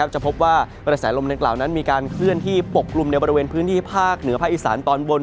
จะพบว่ากระแสลมดังกล่าวนั้นมีการเคลื่อนที่ปกกลุ่มในบริเวณพื้นที่ภาคเหนือภาคอีสานตอนบน